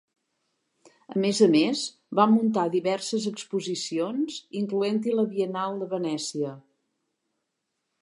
A més a més, va muntar diverses exposicions, incloent-hi la Biennale de Venècia.